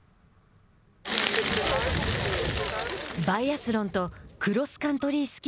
バイアスロンとクロスカントリー